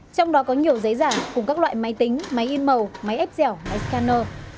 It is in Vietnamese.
trong đó có nhiều giấy giảm cùng các loại máy tính máy in màu máy ép dẻo máy scanner